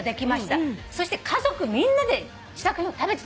そして家族みんなで試作品を食べてた。